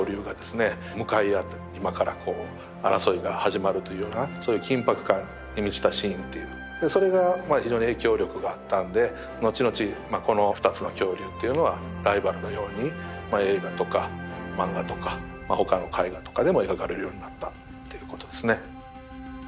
向かい合って今からこう争いが始まるというようなそういう緊迫感に満ちたシーンというそれが非常に影響力があったんで後々まあこの２つの恐竜というのはライバルのように映画とか漫画とか他の絵画とかでも描かれるようになったということですね。